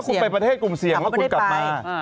คุณไปประเทศกลุ่มเสี่ยงแล้วคุณกลับมา